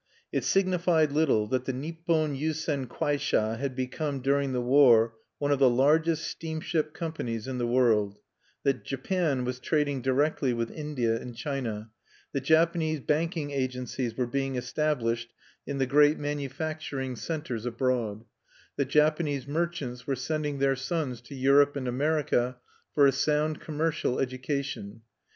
It signified little that the Nippon Yusen Kwaisha had become, during the war, one of the largest steamship companies in the world; that Japan was trading directly with India and China; that Japanese banking agencies were being established in the great manufacturing centres abroad; that Japanese merchants were sending their sons to Europe and America for a sound commercial education.